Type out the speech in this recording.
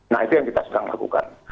nah itu yang kita sedang lakukan